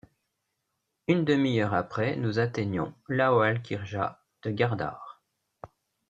Une demi-heure après, nous atteignions l’ « aoalkirkja » de Gardär.